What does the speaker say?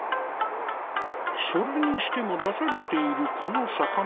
それにしても出されているこの魚。